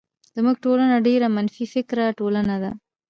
زمونږ ټولنه ډيره منفی فکره ټولنه ده.